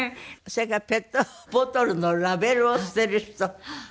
それからペットボトルのラベルを捨てる人？